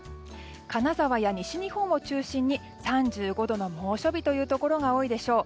金沢や西日本を中心に３５度の猛暑日というところが多いでしょう。